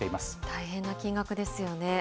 大変な金額ですよね。